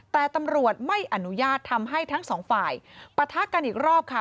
แต่ตำรวจไม่อนุญาตทำให้ทั้งสองฝ่ายปะทะกันอีกรอบค่ะ